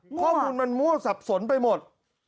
ข้อมูลมันมั่วสับสนไปหมด